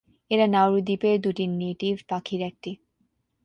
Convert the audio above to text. এরা নাউরু দ্বীপের দুটি নেটিভ পাখির একটি।